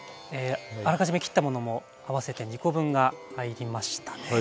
あらかじめ切ったものも合わせて２コ分が入りましたね。